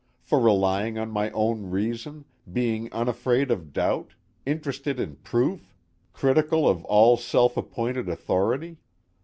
for relying on my own reason, being unafraid of doubt, interested in proof, critical of all self appointed authority?